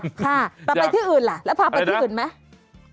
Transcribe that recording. แต่ไปที่อื่นล่ะแล้วพาไปที่อื่นไหม